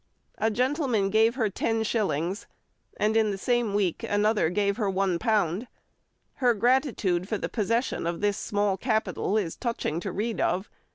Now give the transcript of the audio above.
A gentleman gave her 10s., and in the same week another gave her £1. Her gratitude for the possession of this small capital is touching to read of.